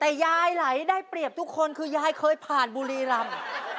แต่ยายไหลได้เปรียบทุกคนคือยายเคยผ่านบุรีรำ